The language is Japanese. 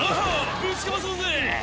ぶちかまそうぜ！